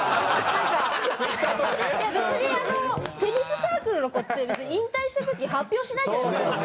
別にあのテニスサークルの子って別に引退した時発表しないじゃないですか。